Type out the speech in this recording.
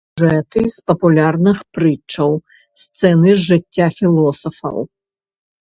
Сюжэты з папулярных прытчаў, сцэны з жыцця філосафаў.